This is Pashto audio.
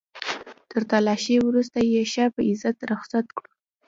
تر تلاشۍ وروسته يې ښه په عزت رخصت کړو.